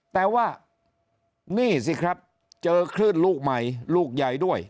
แต่ว่านี่สิครับเจอคลื่นลูกใหม่ลูกใหญ่ด้วย